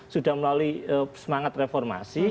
sudah melalui semangat reformasi